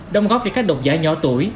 đồng góp cho các độc giả nhỏ tuổi